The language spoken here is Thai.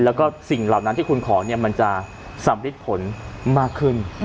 แล้วก็สิ่งเหล่านั้นที่คุณขอมันจะสำริดผลมากขึ้น